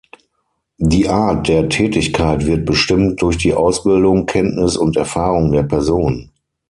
Die Art der Tätigkeit wird bestimmt durch die Ausbildung, Kenntnis und Erfahrung der Person.